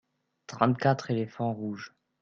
trente quatre éléphants rouges.